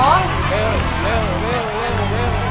โอ้โห